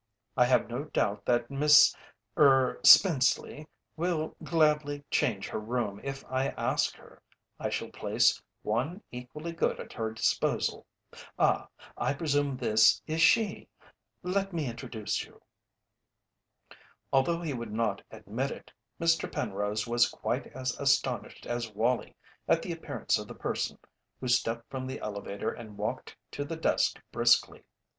"I have no doubt that Miss er Spenceley will gladly change her room if I ask her. I shall place one equally good at her disposal Ah, I presume this is she let me introduce you." Although he would not admit it, Mr. Penrose was quite as astonished as Wallie at the appearance of the person who stepped from the elevator and walked to the desk briskly.